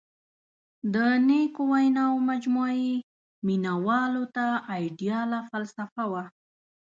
• د نیکو ویناوو مجموعه یې مینوالو ته آیډیاله فلسفه وه.